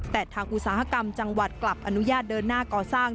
แต่ทางอุตสาหกรรมจังหวัดกลับอนุญาตเดินหน้าก่อสร้าง